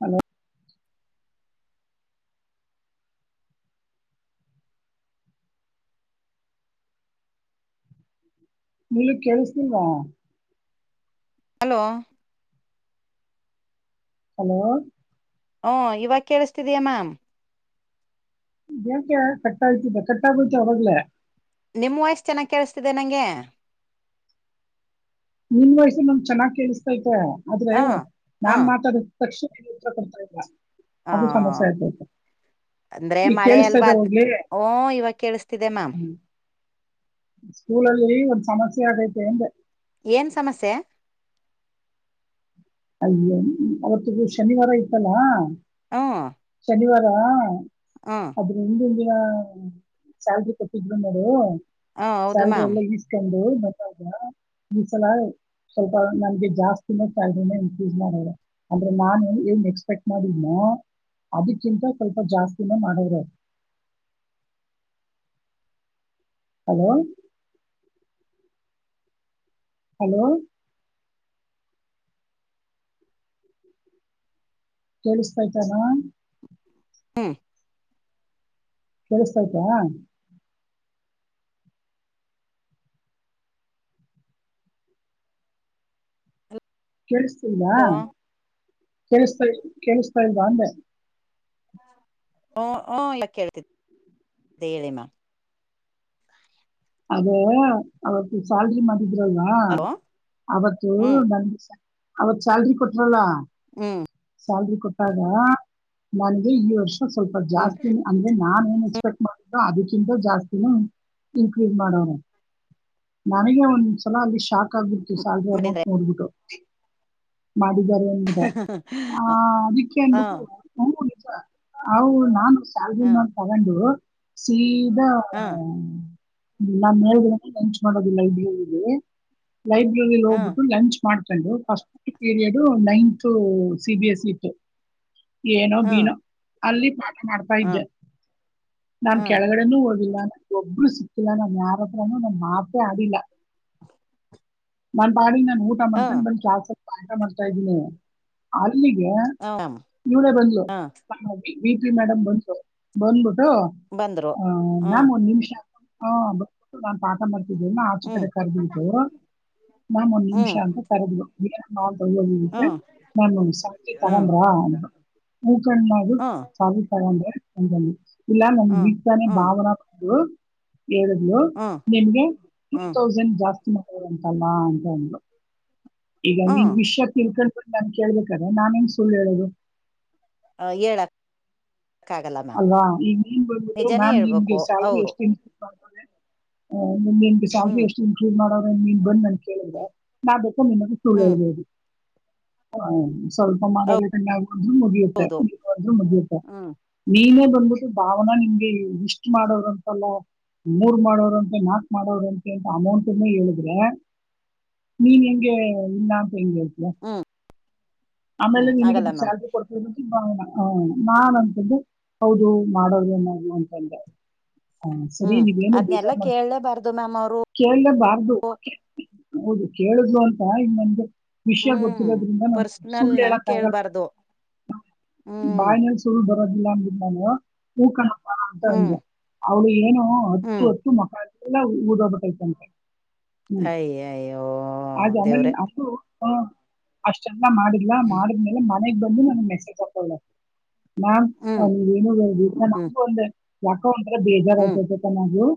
Hello ನಿಲ್ಲಿಗ್ ಕೇಳಿಸತೀರ hello hello ಹಓ ಇವಾಗ ಕೇಳಿಸ್ತಿದಯ ಮ್ಯಾಮ್ ಬಕ ಕಟ್ ಆತಲ್ಲ ಕಟ್ಟತ ಅವರಗಲ್ಲ ನಿಮ್ಮ್ ವಯಸ್ಸ ಚೆನ್ನಾಗಿ ಕೇಳಸ್ತಿದೆ ನಂಗೆ ನಿನ್ ವಯ್ಸು ನಮ ಚೆನ್ನಾಗ್ ಕೇಳಿಸ್ತೈತೆ ಹ ಆದ್ರೆ ಹ ನಾನ್ ಮಾತಾಡ ತಕ್ಷಣ ಕೊಡ್ತಾ ಇಲ್ಲ ಹ ಅದು ಸಮಸ್ಯೆ ಆಯತತ ಅಂದ್ರೆ ಮಳೆ ಅಲ್ವಾ ಅದ್ ಓ ಇವಾಗ ಕೇಳಸ್ತಿದೆ ಮ್ಯಾಮ ಸ್ಕೂಲಲ್ಲಿ ಒಂದು ಸ ಸಮಸ್ಯ ಅೆ ತಂದೆ ಏನ್ ಸಮಸ್ಯೆ ಅಯ್ಯ ಅವತ್ತುಗ ಶನಿವಾರ ಇತ್ತಲ್ಲಾ ಹಾ ಶನಿವಾರ ಅದ್ರ ಹಿಂದಿಂದಿನ ಸಲ್ರಿ ಕೊಟ್ಟಿದ್ರು ನೋಡು ಹ ಹೌದು ಚಂದ್ರ ಮ್ಯಾಮ್ ಎಲ್ಲ ಇಸ್ಕೊಂಡು ಈ ಸಲ ಸ್ವಲ್ಪ ನನ್ಗೆ ಜಾಸ್ತಿನತ ಇದ್ದನೆ ಯ ಮಾಡ ಅಂದ್ರೆ ನಾನು ಏನ್ ಎಕ್ಸ್ಪೆಕ್ಟ್ ಮಾಡಿದನೋ ಅದಕ್ಕಿಂತ ಸ್ವಲ್ಪ ಜಾಸ್ತಿನ ಮಾಡೋ್ರ ಹ ಹಲೋ ಹಲೋ ಕೇಳಿಸ್ತಾ ಇದ್ತಾರ ಹ್ಮ್ ಕೇಳಿಸತಯ್ತಾ ಕೇಳಿಸ್ತಲ್ದಾ ಹಲೋ ಕೇಳಿಸ್ತಾ ಕೇಳಿಸ್ತಾ ಇಲ್ವಾ ಅಂದೆ ಹ್ಮ ಹ್ಮ ಯೇಳ್ತ ಅ ಹೇಳಿಮ್ಮ ಅದೇ ಅವತ್ತು ಸಲ್ರಿ ಮ ಇದರುಲ್ವಾ ಹಲೋ ಅವತ್ತು ಹ್ಮ್ ನಗೆ ಅವತ್ ಸ್ಯಾಲ್ರಿ ಕೊಟ್ರಲ್ಲ ಹ್ಮ್ ಸ್ಯಾಲ್ರಿ ಕೊಟ್ಟಾಗ ನನಗೆ ಈ ವರ್ಷ ಸ್ವಲ್ಪ ಹ್ಮ್ ಜಾಸ್ತಿನ ಅಂದ್ರೆ ನಾನನ್ ಏನ್ ಎಕ್ಸ್ಪೆಕ್ಟ್ ಮಾಡಿದೋ ಅದಕ್ಕಿಂತ ಜಾಸ್ತಿನ ಮಾಡೋ ನನಗೆ ಒಂದ್ ಸಲ ಅಲ್ಲಿ ಶಾಕ್ ಬಿಟ್ಟು ಸಾವಲ್ರಿ ಅಮೌಂಟ್ ಮಾಡಿದ್ರೆ ನೋಡ್ಬಿಟ್ಟು ಮಾಡಿದ್ದಾರೆ ಅನ್ುದ ಆ ಅದಕ್ಕೆ ಹ ಅನ್ಬಿಟ್ಟು ಹ ನಾನು ಹ ಸ್ಯಾಲ್ರಿ ನೋ ಹ ತಗೊಂಡು ಸಿ ಹ ಲ್ಲಾ ಹೇಳ ಲಂಚ್ ಮಾಡೋದಿಲ್ಲ ಇಲ್ಲಿ ಲೈಬ್ರರಿಲಿ ಹ ಹೋಗ್ಬಿಟ್ಟು ಲಂಚ್ ಮಾಡ್ ಸ್ ಪೀರಿ ನೈನ್ತ್ ಸಿಬಿಎಸ್ಇ ಏನೋ ಹ ಬೀನೋ ಅಲ್ಲಿ ಮಾಡ್ತಾ ಹ ಇದ್ದೆ ನಾ ಹ ಕೆಳಗಡೆನೂ ಹೋಗಿಲ್ಲ ಅ ಒಬ್ರು ಸಿ ಲ್ಲ ನಮ್ ಯಾರತ್ರನೂ ನಮ್ ಮಾತೇ ಆಡಿಿಲ್ಲ [inaudible] ನನ್ ಬಾಾರಿ ನಾನು ಊಟ ಮಾಡನ್ಕೊಂಡ್ ಹ ಬಂದು ಕ ಆಟ ಮಾಡ್ತಾ ಇದ್ದೀನಿ ಅಲ್ಲಿಗೆ ಇವರೇ ಬಂದ್ಲು ಹ ವಿ ಪಿ ಮೇಡಮ್ ಬಂದ್ಲು ಬಂದ್ಬಿಟ್ಟು ಬಂದ್ರು ಆ ಹ್ಮ್ ನ್ಯಾಮ್ ಒಂದ್ ನಿಮಿಷಬ ನಾನ್ ಪಾಠ ಮಾಡ್ ಇದನ್ನ ಆಚೆ ಹ್ಮ್ ಕಡೆ ಕರೆದ್ ಬಿಟ್ಟ್ರು ನಾ ಒಂದ್ ನಿಮಿಷ ಹ್ಮ್ ಅಂತ ಕರೆದ್ ನ ಹ್ಮ್ ವ ನಮ್ಮ ಸಚಿ ಹ್ಮ್ ತಡಂಬ ಕಣದು ಹ್ಮ್ ಸಾಗತಾರೆ ಅಂದ್ರೆದಲ್ಲಿ ಇಲ್ಲ ನಮ ಹ್ಮ್ ಗೀತಾನೇ ಹ್ಮ್ ಭಾವನ ಕೊು ಹೇಳಿದ್ರು ಹ್ಮ್ ನಿನ್ಗೆ ಹ್ಮ್ ತೌಸಂಡ್ ಜಾಸ್ತಿ ಂತಲ್ಲ ಅಂತ ಒಂದು ಈಗ ನಿನ್ ಹ್ಮ್ ವಿಷಯ ತಿಳ್ಕೊಂಡ ನನ್ ಕೇಳ್ಬೇಕಾದ ನಾನೇನ್ ಸುಳ್ಳು ಹೇಳದು ಹ ಏಳಕ್ ಅಲ್ಲವಾ ಈಗ ನೀನ್ ಬಬಿಟ್ಟು ನಿಜಾನೇ ಮ್ಯಾಮ್ ನಿಮಗೆ ಹೇಳ್ಬೇಕು ಸ್ಯಾಲ್ರಿ ಹೌದು ಎಷ್ಟ ನಿನ್ಗೆ ಸ್ಯಾಲ್ರಿ ಹ್ಮ್ ಎಷ್ಟು ಇನ್ಕ್ರೂಡ್ ಮಾಡೋ ನೀನ್ ಬಂದ್ ನನ್ ಕೇಳಿದ ನಾ ನಿಮಗೆ ಸುಳ್ಳ ಹ್ಮ್ ಇಬದು ಸ್ವಲ್ಪ ಮಾಡದವು ಅರ್ಜು ಮದಯತ ಹೌದು ಅರ್ಜು ಮದಯತ ಹ್ಮ್ ನೀನೇ ಬಂದ್ಬಿಟ್ಟು ಭಾವನಾ ನಿಮ್ಗೆ ಇಷ್ಟ್ ಮಾಡೋದಂತೆಲ್ಲ ಮೂರ್ ಮಾಡೋವ್ರಂತೆ ನಾಕ್ು ಮಾಡೋ್ರಂತೆ ಅಂತ ಅಮೌಂಟನ್ನ ಹೇಳಿದ್ರೆ ನೀನ್ ಹೆಂಗೆ ಇಲ್ಲ ಅಂತ ಹೆಂಗೆ ಹ್ಮ್ ಹ್ಮ್ ಆಮೇಲೆ ಆಗಲ್ಲ ಮ್ಯಾಮ್ ನಿಿನಗೆಾರ್ಜ ಕೊಡ್ತ [unintelligible] ಂಬ ಹ ನಾ ಅಂತಂದೆ ಹೌದು ಮಾಡೋದುೇನ ಅಂತಂದ್ರೆ ಹಾ ಸರಿ ಹ್ಮ್ ನೀವೇನು ಅದ್ನೆಲ್ಲಾ ಬೇಜಾರ್ ಮಾಡ್ತ ಕೇಳಲೇಬಾರ್ದು ಮ್ಯಾಮ್ ಅವರು ಕೇಳಲಬಾರ್ದು ಹೌದು ಕೇಳಲು ಅಂತ ಇನ್ನೊಂದು ವಿಷಯ ಹ್ಮ್ ಗೊತ್ತಿರೋದ್ರಿಂದ ನಾ ಪರ್ಸನಲ್ ಸುಳ್ಳು ನ ಹೇಳಕ್ಕಾಗ ಕೇಳ್ಬಾರ್ದು ಹ್ಮ್ ಬಾಯ್ನಲ್ಲಿ ಸು ಬ ದಿಲ್ಲ ಅಂದ ನಾನು ೂಕಣ್ಣಪ್ಪನ ಅಂತ ಹ್ಮ್ ಅಂದೆ ಅವ್ಳು ಏನು ಹತ್ತು ಹ್ಮ್ ಹತ್ತು ಮಕ್ಕಳ ಲ್ಲ ಊದಬೈತಂತೆ ಹ್ಮ್ ಅಯ್ಯ ಅಯ್ಯೋ ಆ ಆಮೇಲೆ ದೇವ್ರೆ ಅಷ್ಟು ಹ್ಮ ಅಷ್ಟೆಲ್ಲ ಮಾಡಿಲ್ಲ ಹ್ಮ್ ಮಾಡಿದ್ಮೇಲೆ ಮನೆಗ್ ಬಂದು ನನ್ ಮೆಸೇಜ್ ಹಾಕೊಳ್ಳ ಹ್ಮ್ ಹ ನೀ ನು ಹ್ಮ್ ಒಂದ ಯಾಕೋ ಒಂಥರ ಹ್ಮ್ ಬೇಜಾರಾಯ್ತತೆತನು ಆಹ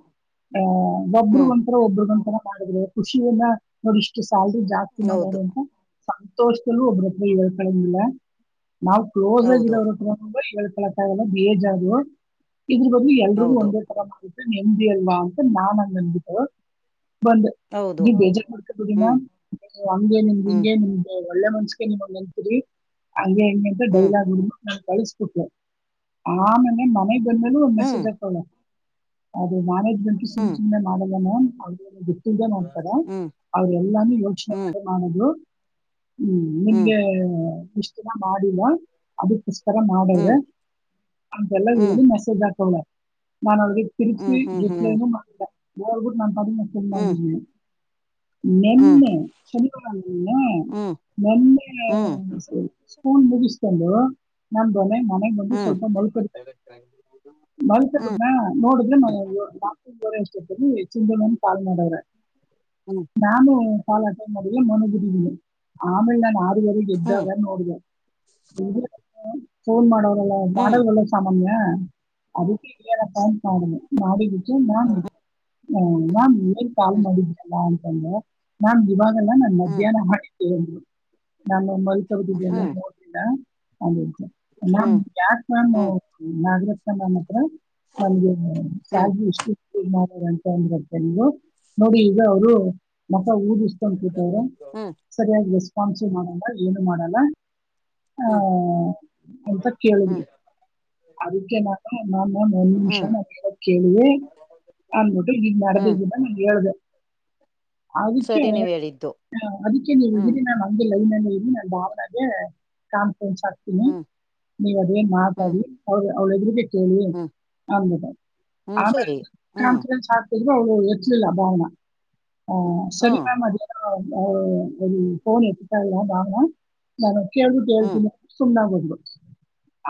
ಒಬ್ಬರು ಹ್ಮ್ ಗಂತರ ಒಬ್ಬರು ಗಂಂತರ ಕಾಣೆ ಖುಷಿಯನ್ನ ನೋಡಿಷ್ಟು ಸ್ಯಾಲ್ರಿ ಜಾಸ್ತಿ ಮಾಡಾರ ಹೌದು ಅಂತ ಸಂತೋಷದಲ್ಲೂ ಒಬ್ಬ್ರತ್ರ ಹೇಳ್ತಳಿಲ್ಲ ನಾವವು ಕ್ಲೋಸ್ ಆಗಿ ಹೌದು ಇರೋ್ರತ್ರ ತಂಬ ಹೇಳ್ಕಳಕ್ಕ ಆಾಗಲ್ಲ ಬಿ ಎಜ್ ಆದರು ಇದ್ರ ಬದಲು ಎಲ್ರಿಗೂ ಹೌದು ಒಂದೇ ತರ ಮಾಡುತ್ತೆ ನೆಮ್ದಿ ಅಲ್ವಾ ಅಂತ ನಾನ್ ಅಂಗಂದಬಿಟ್ಟ ಬಂದ ಹೌದು ನೀ ಬೇಜಾರ್ ಮಾಡ್ತಡೀಿನ ಹ್ಮ್ ಹಂಗೆ ನಿಮ್ದ ಹ್ಮ್ ಹಿಂಗೆ ನಿಮ್ದ ಒಳ್ಳೆ ಮನ್ಷಿಗೆ ನೀವ ಅಂತೀರಿ ಹಂಗೆ ಹೆಂಗೆ ಅಂತ ಹ್ಮ್ ಡೈಲಾಗ್ ಹಡಬಿ ನಾವು ಕಳ್ಿಸಬಿಟ್ೆ [unintelligible] ಆಮೇಲೆ ಮನೆ ಬಂದಲೂ ಒ ಮೆಸೇಜ್ ಹ್ಮ್ ಹಾಕಳ ಮ್ಯಾನೇಜ್ಮೆಂಟ್ ಸಮ ಹ್ಮ್ ಸುಮನೆ ಮಾಡೋದ ಗೊತ್ತಿದೆ ನೋ್ತಾರೆ ಹ್ಮ್ ಅವ್ರ ಎಲ್ಲಾನು ಯೋಚನೆ ಹ್ಮ್ ಮಾಡ ಮಾಡುದು ಹ್ಮ್ ಹ್ಮ್ ನಿಮಗೆ ಇಷ್ಟರ ಮಾಡಿಲ್ಲ ಅದಕ್ಕೋಸ್ಕರ ಹ್ಮ್ ಮಾಡ್ರೆ ಹ್ಮ್ ಅಂತೆಲ್ಲ ಮೆಸೇಜ್ ಆಕಲ್ಲ ನಾನು ಅವರಿಗೆ ತಿರುಚಿ ಹ್ಮ್ ಹ್ಮ್ ಹ್ಮ್ ರಿಪ್ಲನು ಮಾಡ ಹೋಗಬಿಟ್ಟು ನಾನನ್ ಪಡಿಿನ ಸ ಮಾಡಿದ್ದೀನಿ ಹ್ಮ್ ನಿೆನ್ನೆ ಹ್ಮ್ ನೆನ್ನೆ ಹ್ಮ್ [unintelligible] ಸ್ೂನ್ ಮುಗಿಸ್ಕೊಂಡು ನಮ ದೊನೆ ಮನೆ ಹ್ಮ್ ಹ್ಮ್ ಲ್ಪ ಮಕ ಮತ ಬಿ ಹ್ಮ್ ನೋಡಿದ ರೆಷ್ಟೊ ಚಿಂತ ಪಾಲ್ ಮಾಡಿದ್ರ ಹ್ಮ್ ನಾನು ಪಾಲಾಟ ನಡ ಮಣಗಡ ಆಮೇಲೆ ನಮ್ಮ ಆ ಎದ್ದಾಗ ಹ್ಮ್ ನೋಡ ಫೋನ್ ಮಾಡೋ್ರಲ್ಲ ಹ್ಮ್ ಮಾಡಡಲ್ ಒಳ್ಳ ಸಾಮಾನ್ಯ ಅದಕ್ಕೆ ನಪ್ಪ ಮಾಡ ಮಾಡಿದ್ದಕ್ಕೆ ನಾನ್ ನಾನ್ ಮೇ ಕಾಲ್ ಹ್ಮ್ ಮಾಡಿದ್ರಲ್ಲ ನಾನ್ ಇವಾಗಲ್ಲ ನಾನ್ ಹ್ಮ್ ಮಧ್ಯಾಹ್ನ ಮಾಡಿದ್ದೇವೆ ನೋಡಿ ನಮ್ಮ ಮರುಪದು ಹ್ಮ್ ಹ್ಮ್ ಹ್ಮ್ ಬನೋದ ಅ ನ ಹ್ಮ್ [unintelligible] ನಾನು ನಾಗರತ್ನ ನಾಮ ಹತ್ರ ನಮ್ಗೆ ಹ್ಮ್ ಸಲ್ರಿ ಎಷ್ಟ ೌಂತಂದ ಬರ್ತೇನೆವು ನೋಡಿ ಈಗ ಅವರು ಮತ ಊದ [unintelligible] ತೊಂಡಕಿಟ್ಟವರು ಹ್ಮ್ ಸರಿಯಾಗಿ ರೆಸ್ಪಾನ್ಸು ಮಾಡಲ್ಲ ಏನು ಮಾಡೋಲ್ಲ ಹಾ ಹ್ಮ್ ಹ್ಮ್ ಎಂತ ಕೇಳಿದ್ರು ಅದಕ್ಕೆ ನಾನ ನನ್ನ ಒಂದ ನಿಮಿಷ ಕೇಳವಿ ಅನ್ಬಿಟಿ ಹಗ್ ಮಾಡ್ದ ಹ್ಮ್ ಇದಿದ್ದ ನನ್ಗೆ ಹೇಳ್ದ ಅದಕ್ಕೆ ಸರಿ ನೀವ್ ಹೇಳಿದ್ದು ಹ ಅದಕ್ಕೆ ನೀವು ಹ್ಮ್ ಇದಿರಿ ನ ಹಗೆ ಲೈನ್ಲ್ಲಿ ನ ಭಾವನಾಗ ಕಾನ್ಫಿಡೆನ್ಸ್ ಆಕ್ತೀನಿ ಹ್ಮ್ ನೀವ ಅದೇನ್ ಹ್ಮ್ ಮಾತಾಡಿ ಅವ ಅವ್ಳೆದುರಗ ಕೇಳಿ ಹ್ಮ್ ಅನ್ಬ ಹ್ಮ್ ಆಮೇಲೆ ಸರಿ ಹ್ಮ್ ಕಾನ್ಫಿಡೆನ್ಸ್ ಆಗ್ [unintelligible] ಹ್ಮ್ ಫೋನ್ ಎಟ್ಟತಾ ಎಲ್ಲ ಬ ನ ಕೇಳ್ ಬಿಟ್ಟು ಹ್ಮ್ ಹೇಳ್ತೀನಿ ಸುಮ್ ಹೋದಲು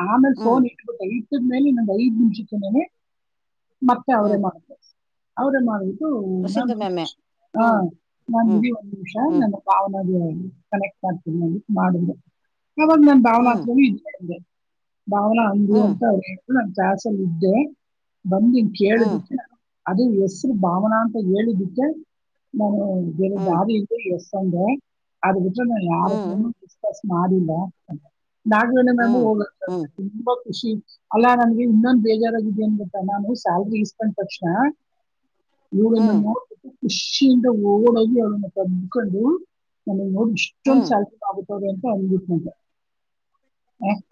ಆಮೇಲೆ ಹ್ಮ್ ಸೋನ್ ಇಟ್ಬಿಟ್ಟ ಇದ ಮೇಲೆನ್ನೊಂದು ಐದು ನಿಮಿಷಕ್ಕೆನೆ ಮತ್ತೆ ಅವರೇ ಹ್ಮ್ ಮಾಡತಾರೆ ಅವರೇ ಮಾಡ ಸಿಂಧು ನಖುಷ ಮ್ಯಾಮೆ ಹ ಹ್ಮ್ ನಾನನ್ ಹ್ಮ್ ಇ ಒಂದ್ ನಿಮಿಷ ಹ್ಮ್ ನನ್ನ ಪಾವನೆ ಕಕ್ಟ್ ಆತ ಮಾಡ ಅವಾಗ ನನ್ ಭಾವನಾ ಹ್ಮ್ ಹತ್ರೆ ಭಾವನ ಅ ಹ್ಮ್ ಅಂತ ಅವ ನಾ ಕಾಸಲ್ಲ ಇದ್ದೆ ಬಂದಿನ್ ಹ್ಮ್ ಕೇಳದಕ್ಕೆ ಅದು ಹೆಸ್ರು ಭಾವನಾ ಅಂತ ಹೇಳಿದಕ್ಕೆ ನಾನು ದ ಹ್ಮ್ ದಾರಿಯಿಂದ ಎಸ್ ಯಾಕಂದ್ರೆ ಅದು ಬಿಟ್ಟು ನಾನು ಹ್ಮ್ ಯಾರತ್ರನು ಡಿಸ್ಕಸ್ ಮಾಡಿಲ್ಲ ನಾಗ ಮ್ಯಾಮು ಹ್ಮ್ ಹ್ಮ್ ಹೋಗ ಹ್ಮ್ ಖುಷಿ ಅಲ್ಲಾ ನನ್ಗೆ ಇನ್ನೊಂದು ಬೇಜಾರಾಗಾಗಿದೆ ಅನ್ ಗಟ್ಟಾ ನಾನು ಸ್ಯಾಲ್ರಿ ಇಸ್ಕೊಂಡ್ ತಕ್ಷಣ ಹ ಹೂಳನ್ನ ನೋ ಖುಷಿಯಿಂದ ಹಓಳಾಗಿ ಅವನ್ನ ತಂದಕೊಂಡು ನೋ ಇಷ್ಟೊಂದ್ ಹ್ಮ್ ಸಾಲ್ಸ ಆಗುತ್ತದೆ ಅಂತ ಅಂದಬಿಟ್ಟಕಟ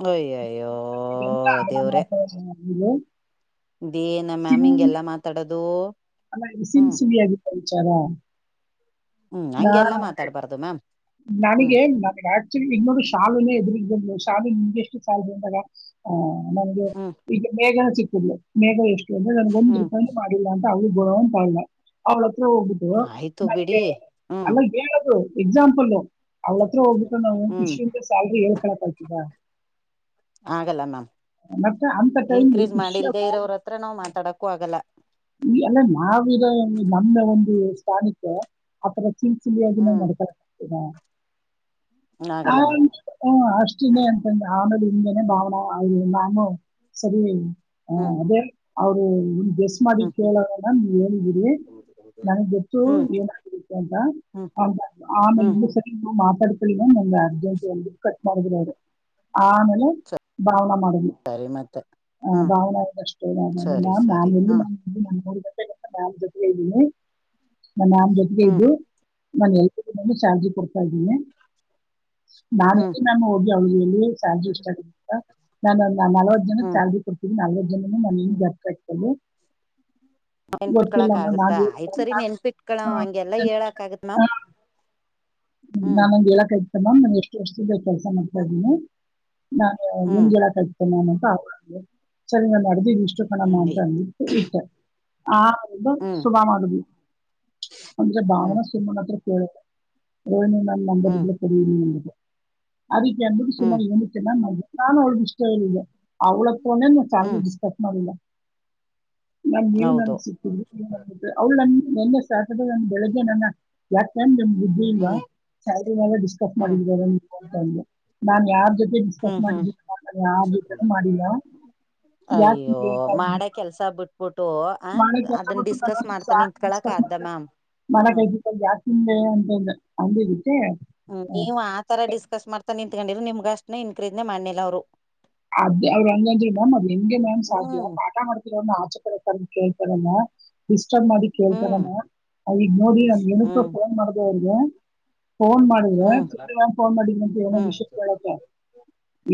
ಹಯ ಹ ಎ ಆ ಮಾಡ್ತ ಇದೇನ ಮ್ಯಾಮ್ ಹಿಂಗೆಲ್ಲಾ ಮಾತಾಡೋದು ಅ ಇಸಿನ ಹ್ಮ್ ಸಿವಿಯಾಗಿ ಕಳಚಾರಾ ಹ್ಮ್ ಹಂಗೆಲ್ಲಾ ಮಾತಾಡ್ಬಾರ್ದು ಮ್ಯಾಮ್ ಹ್ಮ್ ನನಗೆ ಆಕ್ಚುಲಿ ಇನ್ನಂದು ಶಾಲ ಎದು ಬ ಶಾಪಿಂಗ್ ಇಗೆಷ್ಟು ಸ ಬಂದಾಗ ಅ ನಮಗೆ ಹ್ಮ್ ಈಗ ಬೇಗನ ಸಿ ಹ್ಮ್ [unintelligible] ಹೋಗುದು ಆಯ್ತು ನನಗೆ ಬಿಡಿ ಹ್ಮ್ ಆಮ ಹೇಳದು ಎಕ್ಸಾಮ್ ಫುಲ್ ಅವ್ತ್ರ ಹೋಗ್ಬಿಟ್ಟು ನಾವು ಹ್ಮ್ ಷ ಸಲ್ರಿ ಹೇಳ್ಕಳಕಲ್ತಿದ ಆಗಲ್ಲ ಮ್ಯಾಮ್ ಮತ್ತೆ ಅಂತ ಟೈಮ್ಲಿ ಇನ್ಕ್ರೀಸ್ ಮಾಡಿಲ್ದೇ ಇರೋರ ಹತ್ರ ನಾವ್ ಮಾತಾಡಕ್ಕೂ ಆಗಲ್ಲ ಈ ಅಲ್ಲ ನಾವಿರ ನಮ್ಮ ಒಂದು ಸ್ಥಾನಿಕ ಆ ಚಿಂ ಚಿಲಿಯಾಗಿ ನಾ ಹ್ಮ್ ಮಾಡ್ಕತಾ ಹಾ ಆಗಲ್ಲ ಮ್ಯಾಮ್ ಹ ಅಷ್ಟಿನೇ ಅಂತಂದ ಆನೇಡಿ ಹೇನೆ ಭಾವನಾ ಅವರು ನಾನು ಸರಿ ಅ ಹ್ಮ್ ಅದೇ ಅವರು ಮಾಡ ಹ್ಮ್ ಕೇಳ ಹೇಳ್ಬರಿ ನನಗ್ ಗೊತ್ತು ಹ್ಮ್ ಏನಬೇಕು ಅಂತ ಹ್ಮ್ ಆಮೇಲೆ ಹ್ಮ್ ನಸರಿ ಮಾತ ನಮ ಅರ್ಜೆಂಟ ಕಟ್ ಮಾಡಿರೋದು ಆಮೇಲೆ ಬಾವನ ಮಾಡ ಸರಿ ಮತ್ತೆ ಹ ಹ್ಮ್ ಭಾವನಷ್ಟೇ ಸರಿ ನ ಸರಿ ನಾನಲ್ಲಿ ಹ್ಮ್ ನ ಮೂ ಗ ನಾಮ್ ಜೊತೆಗೆ ಇದ್ದೀನಿ ನನ್ನ ನಾಮ್ ಜೊತೆಗೆ ಹ್ಮ್ ಇದ್ದು ನಾನು ಎಲ್ಲ ಚಾರ್ಜಿ ಕೊಡ್ತಾ ಇದ್ದೀನಿ ಹ್ಮ್ ನಾನಲ್ಲಿ ನಾನು ಹೋಗಿ ಅವಲ್ಲಿ ಸ ಇಷ್ಟ ಆಂತ ನಾನು ನಲ್ವತ್ತು ಜನ ಹ್ಮ್ ಸಲ್ರಿ ಕೊಡ್ತೀನಿ ನಲ್ವತ್ತು ಜನ ನಾನನ್ ಜರ್ ಇಟ್ಕಿ ನೆನ್ಪಿಟ್ಕಳಕ್ ಆಗತ್ತಾ ಆಯ್ತ್ ಸರಿ ನಾನು ನೆನ್ಪಿಟ್ಕಳ ಹಂಗೆಲ್ಲಾ ಹೇಳಕ್ ಆಗತ್ ಮ್ಯಾಮ್ [inaudible] ಹ್ಮ ಹ್ಮ್ ನಾನೊಂದ್ ಎ ಕಾಯ ಮ್ಯಾಮ್ ನ ಎಷ್ಟು ವರ್ಷದ ಕೆಲಸ ಮಾಡ್ತಾ ಹ್ಮ್ ಇದ್ದೀನಿ ನಾನು ಹ್ಮ್ ನಿಗೆಲ್ಲಾ ತದತೇನೆ ನಾನು ಸರಿ ನ ನಡದೀ ಇಷ್ಟು ಕಣ ಮಾ ಹ್ಮ್ ಅಂತ ಅ ಇಟ್ಟ ಆ ಹ್ಮ್ ಸುಲ ಮಾಡುದು ಅಜೆ ಭಾವನ ಹ್ಮ್ ಸುಮ್ಮಣ ಹತ್ರ ಕೇಳುತ್ತ ಹ್ಮ್ [unintelligible] [unintelligible] ಹ್ಮ್ ಫೋನ್ಯಾಲಿ, ಹ್ಮ್ ಚಾರ್ಜೀಲಾ, ಕಟ್ಮಡೀಲಾ? [inaudible] ನಾ, ಹ್ಮ್ ನಿಮು, ಹೌದು ನನಗ್ ಸಿಕಿದ್ರಿ, ಅವ್ಳು, ನನ್ನ, ನೆನ್ನೆ ಸಾಟರ್ಡೆ, ನ ಬೆಳಿಗ್ಗೆ ನನ್ನ ಯಾಕೂ? [inaudible] ಏನು, ನಿಮ್, ಬುದ್ಧಿಇಲ್ವಾ, ಹ್ಮ್ ಸ್ಯಾಲರಿ ಎಲ್ಲಾ, ಡಿಸ್ಟ್ರಿಬ್, ಹ್ಮ್ ಮಾಡಿದ್ದಾರಲಾ, ನೀವ್ಯಾಂಧೆ! [inaudible] ನಾನ್, ಯಾರು, ಜೊತೆ, ಡಿಸ್ಟ್ರಿಬ್, ಹ್ಮ್ ಹ್ಮ್ ಮಾಡಿಲ್ಲ, ಯಾರು, ಜೊತೆನೂ ಮಾಡಿಲ್ಲ. [unintelligible] ಯಾಕೆ ಅಯ್ಯೋ, ಹಿಂಗೆ ಹೇಳ್ತಾ ಮಾಡ, ಇದ್ದೀನಿ ಕೆಲ್ಸ, ಬಿಟ್ಬಿಟ್ಟು. [inaudible] ತು, ಆ, ಮಾಡೋ ಕೆಲಸ ಅದನ್ನ! ಬಿಟ್ಟು ಡಿಸ್ಟ್ರಿಬ್, ಮಾಡ್ತಾನ ನಿಂತ್ಕಳಕ್ ಆದ್ದ ಮ್ಯಾಮ್? [inaudible] ಮರ, ಕೈದ ಜಾಸ್ತಿ ಹಿಂದೆ ಅಂತಲ್ಲ ಅ. [unintelligible] ಹ್ಮ್, ನೀವ್ ಆತರ ಡಿಸ್ಕಸ್! ಮಾಡ್ತಾ ನಿಂತತ್ಕೊಂಡ್ರ, ನಿಮ್ಗ, ಅಷ್ಟನ ಇನ್ಕ್ರೆಸ್, ಮಾಡ್ನಿಲ್ಲ ಅವರು? [inaudible] ಅದ, ಅವ್ರು! ಹಾಂಗೆ, ಅಂದ್ರು, ಮ್ಯಾಮ್, ಅದು ನಿಮಗೆ, ಮ್ಯಾಮ್ ಸಾಧ್ಯ ಹ್ಮ್ ಪಾಠ, ಮಾಡಿರೋರನ, ಆಚಕಡೇ? [inaudible] ಆಧುಕೇಳುಬರಲ! [unintelligible] ಮೆನ್ಷನ್, ಮಾಡಿ ಹ್ಮ್ ಕೇಳ್ತಾರಣ! ಅವಗ ನೋಡಿ ಅಧಿಯೆನುಕೋ! ಹ್ಮ್ ಫೋನ್ ಮಾಡ್ದ, ಅವ್ರಿಗು. [inaudible] ಫೋನ್, ಮಾಡಿದ್ರೆ! ಹ್ಮ್ ಹ್ಮ್ ಚ ಫೋನ್ ಮಾಡಿದ ಅಂತ ಏನೋ, ಹ್ಮ್ ವಿಷಯ ಕೇಳಕ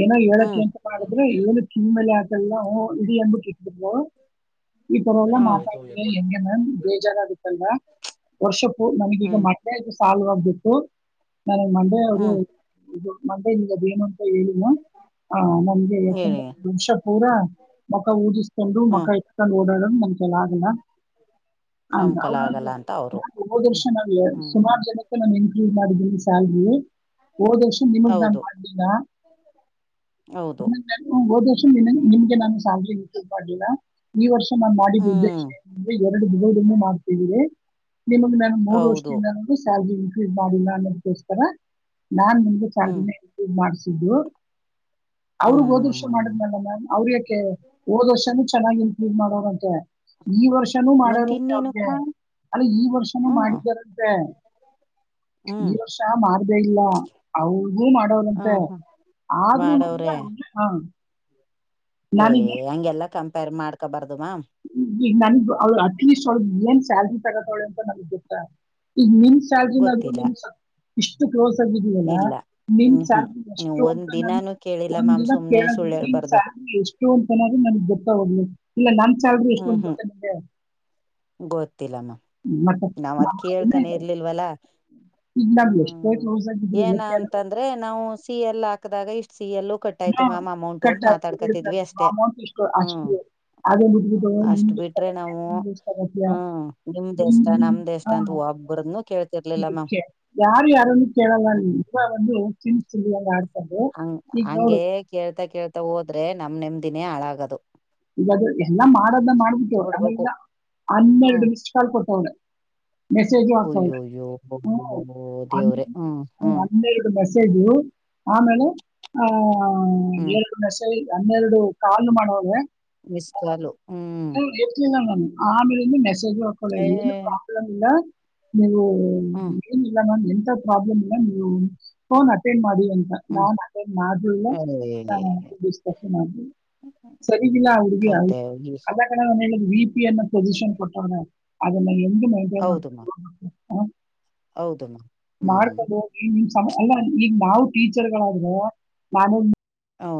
ಏನೋ, ಹೇಳಕ್ಕೆ ಅಂತ. [inaudible] ಏನೋ, ಮಾಡುದ್ರೆ, ಇವನು, ಕಿಮ್ಮಲೆ, ಅಕೊಂಡುಯೆಲ್ಲ, ಹ್ಮ್, ಇದೇ, ಅಂತಾಕಿತುಬಿಟ್ರು. [unintelligible] ಈ ತರ ಎಲ್ಲಾ! ಮಾತಾಡಿದ್ರೆ, ಹ್ಮ್ ಹೆಂಗೆ ಮ್ಯಾಮ್ ಬೇಜಾರ, ಆಗತ್ತಲ್ವಾ. [inaudible] ವರ್ಷ, ಪೂ, ನನಗೆ, ಈಗ ಹ್ಮ್ ಮತ್ತೆ, ಸಾಲ? [inaudible] ಬಿತ್ತು, ನನಗೆ ಮಂಡೆ! ಅದು ಹ್ಮ್ ಇದು ಮಂಡೆ ಏನು? [inaudible] ಹಾ, ಹೇಳಿ ಮ್ಯಾಮ್, ಹ, ಮತ್ತೆ. [inaudible] ಬೆಳಗ್ಗೆಯಿಂದ ಹೇಳಿ ದಿಸಪೂರ, ಮುಖ ಉದಿಸಿಕೊಂಡು! ಮಕ್ಕ ಎಕ್ಕೊಂಡ್ ಎತ್ತಿ ಆಡಿಕೊಂಡು, ನಮಗೆ, ಆಗಲ್ಲ. [inaudible] ಇಲ್ಲಾ. [inaudible] ಹ, ಅವಳ್, ನೋಡು! ನಾನು, ಹೋದ, ಹ್ಮ್ ವರ್ಷ ಹ್ಮ್ ಸುಮಾರು, ಜನ. [inaudible] ನಿಮಗೆ, ಏನ್ ಮಾಡಿದ್ರು ಸ್ಯಾಲರಿ? [inaudible] ಹೋದ, ವರ್ಷ ನಿಮಗ್ ನಾನ್ ಹೌದು ಮಾಡ್ದೀನ. ಹೌದು [inaudible] ಹೋದಾ, ವರ್ಷ ನಿಮಗೆ! ನಾನು ಸಲ್ರಿ ಮೆಸೇಜ್, ಮಾಡಲಿಲ್ಲ, ಈ ವರ್ಷ? [inaudible] ನಾನು ಮಾಡಿದ ದುಡ್ಡು! ಹ್ಮ್ ಎಕ್ಸ್ಚೇಂಜ್ ಎರಡು ಡಿವೈಡ್ ಆಗಿ ಮಾಡಿದ್ದೀರಿ? [inaudible] ನಿಮಗೆ, ನಾನು, ಮೂರು, ಹೌದು ವರ್ಷ್ಟಿಂದ! ಸ್ಯಾಲ್ರಿ ಇನ್ಕ್ರೀಸ್, ಮಾಡಿಲ್ಲ! ಅನ್ನದ ಕ್ಕೋಸ್ಕರ? [inaudible] ನಾನ್, ನಿಮಗೆ ಸ್ಯಾಲರಿ ಹ್ಮ್ ಇನ್ಕ್ರೀಸ್ ಮಾಡಿಸಿದ್ದು? [inaudible] ಅವರಿಗೆ ಹೋದವರ್ಷ ಹ್ಮ್ ಮಾಡಿದೆ, ಅಲ್ಲ ಮೇಡಂ ಅವರಿಗ್ಯಾಕೆ! ಹೋದವರ್ಷನೆ, ಚೆನ್ನಾಗಿ ಇಂಕ್ರೀಸ್ ಮಾಡಿದ್ದಾರಂತೆ? [inaudible] ಈ ವರ್ಷನೂ ಮತ್ತ ಮಾಡಾರಂತೆ ಅವ್ರಿಗೆ! ಇನ್ನೇನಪ್ಪಾ ಅಂದ್ರೆ, ಈ ವರ್ಷನೂ ಹ್ಮ್ ಮಾಡಿದಾರಂತೆ? [inaudible] ಈ, ಹ್ಮ್ ವರ್ಷ ಮಾರದೆೇ ಇಲ್ಲ! ಅವ್ರಿಗೂ ಹ ಮಾಡೋರಂತೆ, ಹ ಆದ್ರೂ? ಮಾಡವ್ರೆ [inaudible] ಹಾ. [unintelligible] ಏ ಹಂಗೆಲ್ಲಾ ಕಂಪೇರ್ ಮಾಡ್ಕೋಬಾರ್ದು ಮ್ಯಾಮು? [inaudible] ಈಗ, ನಂದು, ಅವಳು, ಅಟ್ಲೀಸ್ಟ್! ಅವಳು, ಅಟ್ಲೀಸ್ಟ್, ಏನ್ ಸ್ಯಾಲ್ರಿ ತಗತ್ತವಳೆ? ಅಂತ ನನ್ಗ್ ಗೊತ್ತ? [inaudible] ಈಗ, ನಿಮ, ಸ್ಯಾಲರಿ! ಗೊತ್ತಿಲ್ಲ ನಿನ್ಸ ಇಷ್ಟು? [inaudible] ಕ್ಲೋಸ್ ಆಗಿದೆಯಲ್ಲ ಇಲ್ಲ ನೀನು, ಹ್ಮ್ ಹ್ಮ್ ಸ್ಯಾಲ್ರಿ ನೀವು ಎಷ್ಟು ಒಂದ್ ಅಂತ ನಾನು ದಿನಾನು ಕೇಳಿಲ್ಲ ಮ್ಯಾಮ್ ಒಂದಿನ, ಸುಮ್ನೆ ಕೇಳೋದಿಕೆ, ಸುಳ್ಳು ಸ್ಕ್ರೀನ್ ಶಟು. [unintelligible] ಹೇಳ್ಬಾರ್ದು ಸ್ಯಾಲರಿ ಎಸ್ಟ್, ಅಂತ ಆದ್ರು ನನ್ಗೆ ಗೊತ್ತಾ! ಹೋಗಲಿ. ಇಲ್ಲ, ನನ್ ಸ್ಯಾಲರಿ ಎಷ್ಟು ಅಂತ ಗೊತ್ತಾ ನಿಮಗೆ? [inaudible] ಗೊತ್ತಿಲ್ಲಮ್ಮ, ಮತ್ತೆ ನಾವ್ ಅದಕ್ಕೆ, ಅದನ್ನೇ ಕೇಳ್ತಾನೆ ಇರ್ಲಿಲ್ವಲ್ಲ? ಈಗ [inaudible] ನಾವ್ ಎಷ್ಟೇ ಹ್ಮ್, ಕ್ಲೋಸ್ ಏನ ಆಗಿದ್ರು ಕೆಲವು ಅಂತಂದ್ರೆ! ನಾವು ಸಿ, ಏಳೂ, ಹಾಕದಾಗ ಇಷ್ಟ. [inaudible] ಸಿ, ಎಲ್ಲೂ ಕಟ್ಟಾಯ್ತು! ಹಾ. ಮ್ಯಾಮ್, ಅಮೌಂಟ್ ಅಂತ, ಕಟ್ ಆಗ್ತದೆ ಮಾತಾಡ್ಕತಿದ್ವಿ, ಬಿಡ್ತದೆ ಅಷ್ಟೇ, ಅಮೌಂಟ್ ಇಷ್ಟು ಹ್ಮ್. ಅಷ್ಟೇ. [inaudible] ಅದು ಮುಗಿದು ಅಷ್ಟು, ನಿಮ್ಗೆ ಇಷ್ಟ ಬಿಟ್ರೆ, ಆಗತ್ಯ ನಾವು, ನಿಮ್ಗೆ ಇಷ್ಟ ಆಗತ್ಯ ಹ್ಮ್, ನಿಮ್ದಷ್ಟ. [inaudible] ನಮ್ದೆಷ್ಟು ಅಂತ ಒಬ್ಬರುನು, ಕೇ.. [inaudible] ಇದಕೆ, ಯಾರು, ಯಾರನ್ನ, ಕೇಳಲ್ಲ! ಅಲ್ಲಿ, ಹ್ಮ್ ಇಷ್ಟವನ್ನು ಹೋಗ್ತೀನಿ, ತಿನ್ನು. [inaudible] ಹಂಗೆ, ಹಂಗಗೆ ಕೇಳ್ತಾ, ಕೇಳ್ತಾ, ಹೋದ್ರೆ, ನಮ್ ನೆಮ್ಮದಿನೆ ಹಾಳಾಗೋದು! [inaudible] ಇವಾಗ್ಲೇ ಎಲ್ಲ ಮಾಡೋದನ್ನ, ಮಾಡ್ಬಿಟ್ಟು ಬಿಡ್ಬೇಕು ಯುವಗಳೇ ಹ್ಮ್ ಆನೆರಡು, ಮಿಸ್ ಕಾಲ್ ಕೊಟ್ಟವ್ಳೆ? ಅಯ್ಯೋಯ್ಯೋ [inaudible] ಹೂ, ದೇವ್ರೆ ಹ್ಮ್ ಹ್ಮ್ ಅನೆರಡು, ಮೆಸೇಜ್. [unintelligible] ಕೊಡ್ತಾ, ಇದರು, ಆಮೇಲೆ, ಹನ್ನೆರಡು, ಹಾ, ಹ್ಮ್ ಎರಡು, ಮೆಸೇಜ್, ಹನ್ನೆರಡು. [inaudible] ಕಾಲ್ ಮಾಡೋರೆ? [inaudible] ಮಿಸಕಾಲು, ಹ್ಮ್. [inaudible] ಇಲ್ಲ ಮೇಡಂ, ಆಮೇಲೆ! ಇಂಧ, ಮೆಸೇಜು ಹಾಕಲ್ಲ, ಏ ಏನು ಪ್ರಾಬ್ಲಮ್, ಇಲ್ಲ ನೀವು. [inaudible] ಹ್ಮ್. [inaudible] ಹೂ, ಎಂಥ ಪ್ರಾಬ್ಲಮ್ ನೀವು ಕಾಲ್ ಅಟೆಂಡ್ ಮಾಡಿ. [unintelligible] ಂತ ನಾ ಹ್ಮ್ ಮಾಡಲ್ಲ ನಿಸ್ಕಷನ್ ಮಾಡ ಸರಿ ಇಿಲ್ಲ ಕತೆ ಹಗ ಅದ ಹೇಳಿದ ವಿ ಪಿ ಅನ್ನ ಪೊಸಿಷನ್ ಕೊಟ್ಟ ಅದನ್ನ ನಿ ಮಾಡ್ತ ಹೌದಮ್ಮ ಹ ಹೌದಮ್ಮ ಹ್ಮ್ ಮಾಡ್ಕೊಂಡು ಹೋಗಿ ನಿಮ್ ಸಮ ಅಲ್ಲ ಈಗ ನಾವು ಟೀಚರ್ಗಳಾದ್ರ ನಾನೇ ಹೌದು